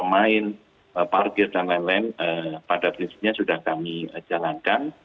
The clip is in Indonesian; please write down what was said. main parkir dan lain lain pada prinsipnya sudah kami jalankan